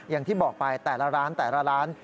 อย่างที่บอกไปแต่ละร้าน